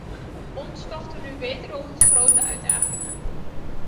Ons wachten nu wederom grote uitdagingen.